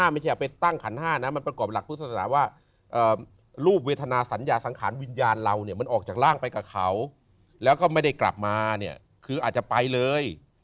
ไม่ใช่เอาไปตั้งขันห้านะมันประกอบหลักพุทธศาสนาว่ารูปเวทนาสัญญาสังขารวิญญาณเราเนี่ยมันออกจากร่างไปกับเขาแล้วก็ไม่ได้กลับมาเนี่ยคืออาจจะไปเลย